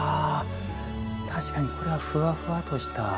確かに、これはふわふわとした。